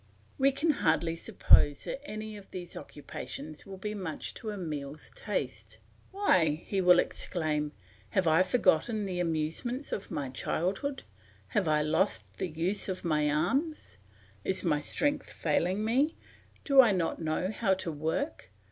We can hardly suppose that any of these occupations will be much to Emile's taste. "Why," he will exclaim, "have I forgotten the amusements of my childhood? Have I lost the use of my arms? Is my strength failing me? Do I not know how to work?